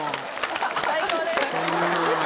最高です！